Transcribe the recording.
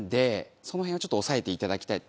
その辺はちょっと抑えていただきたい。